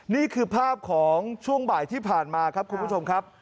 นี่คือภาพของช่วงบ่ายที่ผ่านมาครับคุณผู้ชมครับ